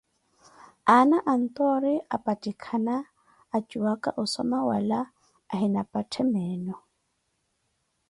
Aana anttoori apattikhanka a juwaka osomma, wala ahina patthe meeno.